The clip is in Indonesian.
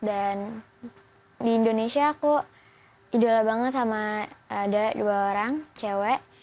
dan di indonesia aku idola banget sama ada dua orang cewek